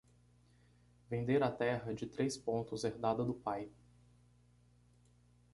Vender a terra de três pontos herdada do pai